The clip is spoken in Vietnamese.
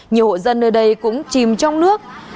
nhiều hộ dân nơi đây cũng chìm trong nước